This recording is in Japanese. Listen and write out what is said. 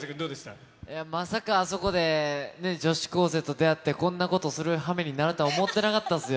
いや、まさかあそこで女子高生と出会って、こんなことするはめになるとは思ってなかったっすよ。